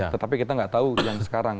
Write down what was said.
tetapi kita nggak tahu yang sekarang